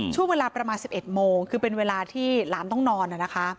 ช่วงเวลาประมาณ๑๑โมงคือเป็นเวลาที่หลานต้องนอนนะคะ